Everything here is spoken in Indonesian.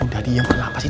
udah diam kenapa sih